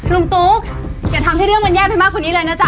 ตุ๊กอย่าทำให้เรื่องมันแย่ไปมากกว่านี้เลยนะจ๊